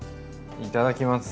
いただきます。